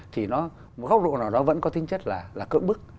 thì nó một góc độ nào đó vẫn có tính chất là cưỡng bức